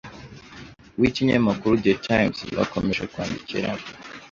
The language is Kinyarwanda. w'ikinyamakuru The Times Bakomeje kwandikirana